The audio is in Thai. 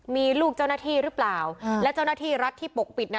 มีลูกเจ้าหน้าที่หรือเปล่าและเจ้าหน้าที่รัฐที่ปกปิดน่ะ